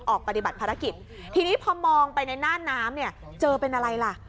ปฏิบัติภารกิจทีนี้พอมองไปในหน้าน้ำเนี่ยเจอเป็นอะไรล่ะ